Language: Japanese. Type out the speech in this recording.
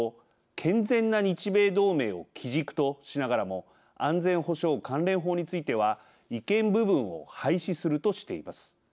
健全な日米同盟を基軸としながらも安全保障関連法については違憲部分を廃止するとしています。